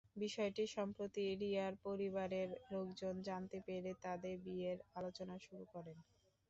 বিষয়টি সম্প্রতি রিয়ার পরিবারের লোকজন জানতে পেরে তাদের বিয়ের আলোচনা শুরু করেন।